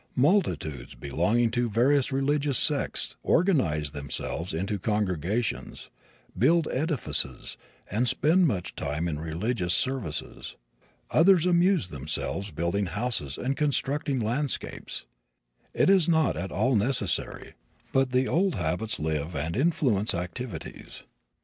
Multitudes belonging to various religious sects organize themselves into congregations, build edifices and spend much time in religious services. Others amuse themselves building houses and constructing landscapes. It is not at all necessary, but the old habits live and influence activities.